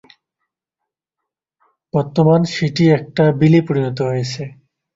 বর্তমান সেটি একটা বিলে পরিনত হয়েছে।